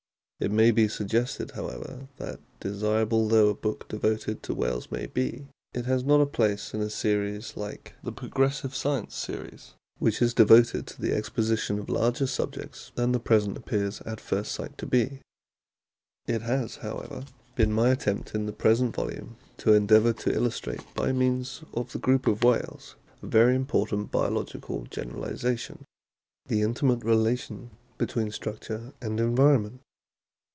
It may be suggested, how ever, that desirable though a book devoted to the whales may be, it has not a place in a series like viii PREFACE the Progressive Science Series, which is devoted to the exposition of larger subjects than the present appears at first sight to be. It has, however, been my attempt in the present volume to endeavour to illustrate by means of the group of whales a very important biological generalisation, the intimate rela tion between structure and environment.